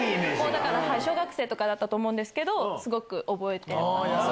だから小学生とかだったと思うんですけど、すごく覚えてます。